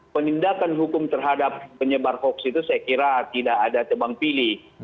penindakan hukum terhadap penyebar hoax itu saya kira tidak ada tebang pilih